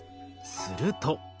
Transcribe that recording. すると。